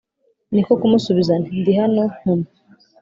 Ni ko kumusubiza nti «Ndi hano, ntuma!»